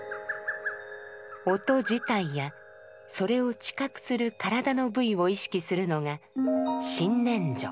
音自体やそれを知覚する体の部位を意識するのが「身念処」。